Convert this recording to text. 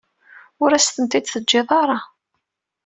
Ur as-tent-id-teǧǧiḍ ara.